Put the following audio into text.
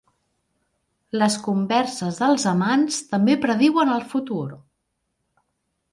Les converses dels amants també prediuen el futur.